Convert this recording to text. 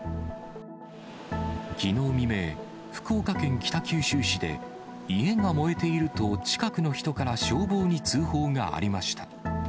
きのう未明、福岡県北九州市で家が燃えていると近くの人から消防に通報がありました。